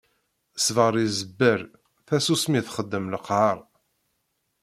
Ṣṣbeṛ iẓebber, tasusmi txeddem leqheṛ.